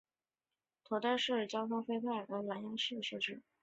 头戴式通话器规范将声音传送到蓝芽耳机设备。